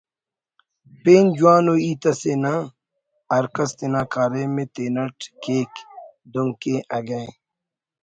پین جوان ءُ ہیت اسے نہ…… ہر کس تینا کاریم ءِ تینٹ کیک…… دنکہ اگہ